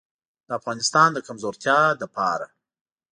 د افغانستان د کمزورتیا لپاره.